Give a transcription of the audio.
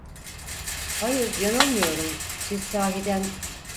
Hayır, yanılmıyorum, siz sahiden…